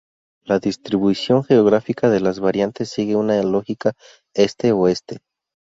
La distribución geográfica de las variantes sigue una lógica este-oeste.